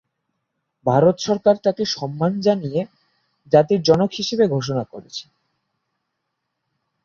ভারত সরকার তাকে সম্মান জানিয়ে জাতির জনক হিসেবে ঘোষণা করেছে।